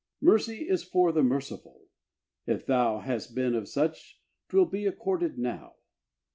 Mercy is for the merciful! if thou Hast been of such, 'twill be accorded now.